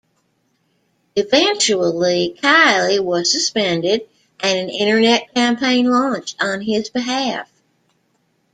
Eventually, Kiely was suspended and an internet campaign launched on his behalf.